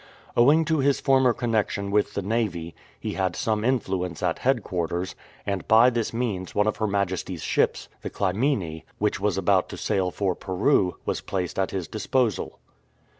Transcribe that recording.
Owing to his former connexion with the Navy he had some influence at headquarters, and by this means one of Her Majesty ""s ships, the Clymenc^ which was about to sail for Peru, was placed at his disposal.